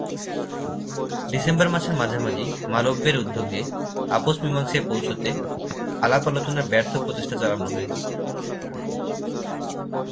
December মাসের মাঝামাঝি মালব্যের উদ্যোগে আপস-মীমাংসায় পৌঁছতে আলাপ-আলোচনার ব্যর্থ প্রচেষ্টা চালানো হয়।